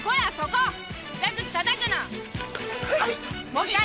もう１回。